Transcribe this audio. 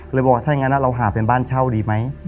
บอกว่าถ้าอย่างนั้นเราหาเป็นบ้านเช่าดีไหม